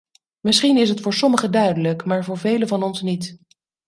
Misschien is het voor sommigen duidelijk, maar voor velen van ons niet.